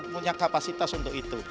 punya kapasitas untuk itu